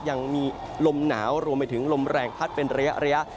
ยังมีลมหนาวรวมไปถึงลมแรงพัดเป็นระยะ